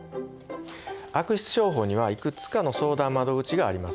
悪質商法にはいくつかの相談窓口があります。